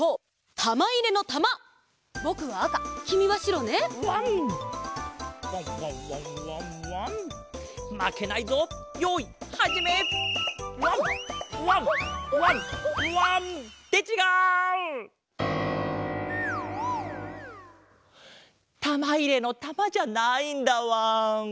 たまいれのたまじゃないんだわん。